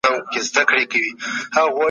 دا بهير لا روان دی.